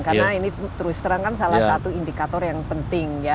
karena ini terus terangkan salah satu indikator yang penting ya